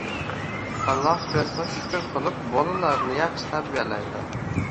Alloh bersa, shukr qilib bolalarini yaxshi tarbiyalaydi.